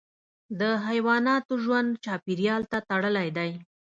د حیواناتو ژوند چاپیریال ته تړلی دی.